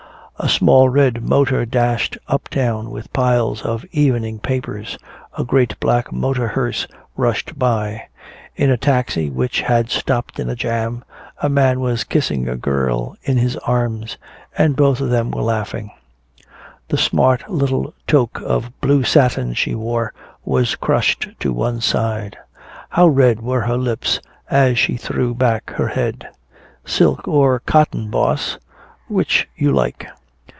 A small red motor dashed uptown with piles of evening papers; a great black motor hearse rushed by. In a taxi which had stopped in a jam, a man was kissing a girl in his arms, and both of them were laughing. The smart little toque of blue satin she wore was crushed to one side. How red were her lips as she threw back her head.... "Silk or cotton, boss? Which you like?"